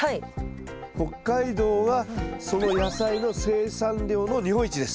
北海道はその野菜の生産量の日本一です。